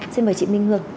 xin mời chị minh hương